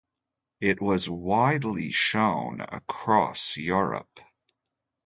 It was widely shown across Europe.